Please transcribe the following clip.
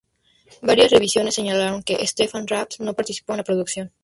Varias revisiones señalaron que Stefan Raab no participó en la producción.